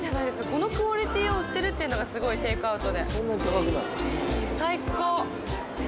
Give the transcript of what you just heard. このクオリティーを売ってるっていうのがすごいテイクアウトで最高！